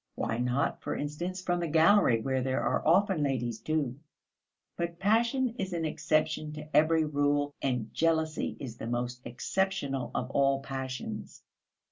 Why not, for instance, from the gallery where there are often ladies too? But passion is an exception to every rule, and jealousy is the most exceptional of all passions.